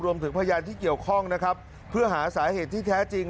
พยานที่เกี่ยวข้องนะครับเพื่อหาสาเหตุที่แท้จริง